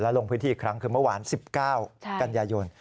ลงพื้นที่อีกครั้งคือเมื่อวาน๑๙กันยายน